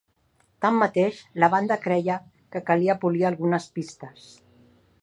Tanmateix, la banda creia que calia polir algunes pistes.